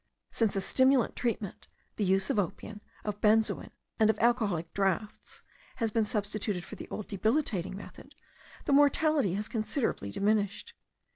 Since a stimulant treatment, the use of opium, of benzoin, and of alcoholic draughts, has been substituted for the old debilitating method, the mortality has considerably diminished.